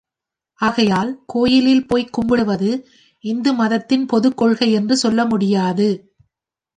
ஆகையால் கோயிலில் போய்க் கும்பிடுவது இந்து மதத்தின் பொதுக் கொள்கை என்று சொல்ல முடியாது.